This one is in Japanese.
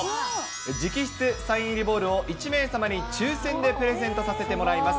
直筆サイン入りボールを１名様に抽せんでプレゼントさせてもらいます。